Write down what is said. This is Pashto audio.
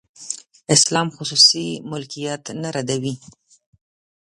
اسلام خصوصي ملکیت نه ردوي.